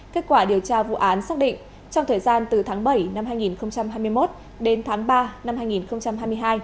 kết quả điều tra vụ án xác định trong thời gian từ tháng bảy năm hai nghìn hai mươi một đến tháng ba năm hai nghìn hai mươi hai